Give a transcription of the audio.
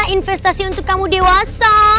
investasi untuk kamu dewasa